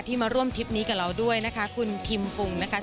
มาร่วมทริปนี้กับเราด้วยนะคะคุณทิมฟุงนะคะ